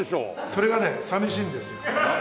それがね寂しいんですよ。